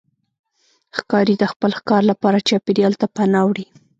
ښکاري د خپل ښکار لپاره چاپېریال ته پناه وړي.